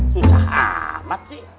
susah amat sih